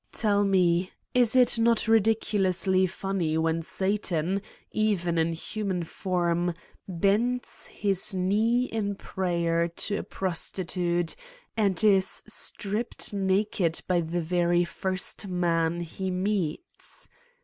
Tell me : is it not ridiculously funny when Satan, even in human form, bends his knee in prayer to a prosti tute and is stripped naked by the very first man he meets?